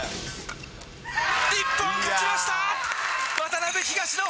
日本、勝ちました。